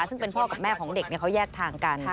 ซึ่งเป็นพ่อกับแม่ของเด็กเขาแยกทางกัน